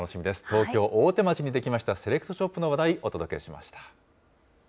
東京・大手町に出来ましたセレクトショップの話題、お届けしました。